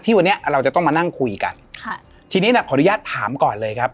วันนี้เราจะต้องมานั่งคุยกันค่ะทีนี้น่ะขออนุญาตถามก่อนเลยครับ